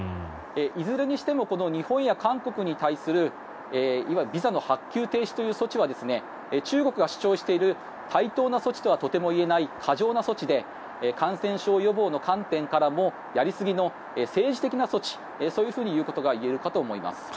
いずれにしてもこの日本や韓国に対するいわゆるビザの発給停止という措置は中国が主張している対等な措置とはとても言えない過剰な措置で感染症予防の観点からもやりすぎの政治的な措置そういうふうに言えるかと思います。